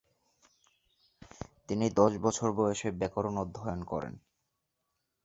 তিনি দশ বছর বয়সে ব্যাকরণ অধ্যয়ন করেন।